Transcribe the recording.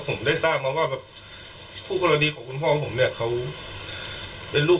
ผมได้ทราบมาว่าแบบคู่กรณีของคุณพ่อผมเนี่ยเขาเป็นลูก